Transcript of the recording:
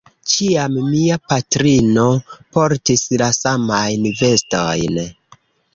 Ĉiam mia patrino portis la samajn vestojn.